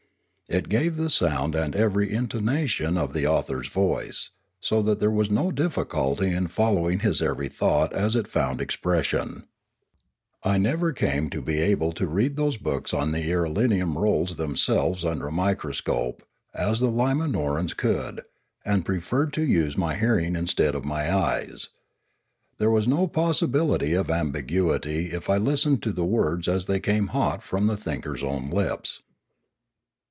It gave the sound and every intonation of the author's voice, so that there was no difficulty in follow ing his every thought as it found expression. I never 442 Limanora came to be able to read those books on the irelium rolls themselves under a microscope, as the Umanorans could, and preferred to use my hearing instead of my eyes. There was no possibility of ambiguity if I lis tened to the words as they came hot from the thinker's own lips.